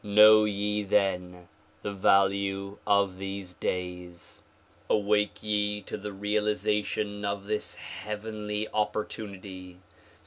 Know ye then the value of these days. Awake ye to the realization of this heavenly opportunity.